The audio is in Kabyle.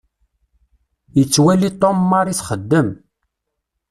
Yettwali Tom Mary txeddem.